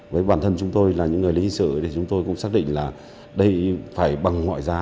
với bản thân chúng tôi là những người lý sử chúng tôi cũng xác định là đây phải bằng ngoại giá